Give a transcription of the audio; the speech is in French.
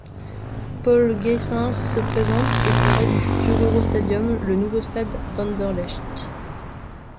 Paul Gheysens se présente et ferait du futur Eurostadium le nouveau stade d'Anderlecht.